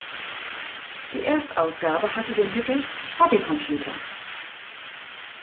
Die Erstausgabe hatte den Titel "Hobby Computer".